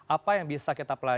apa yang bisa kita pelajari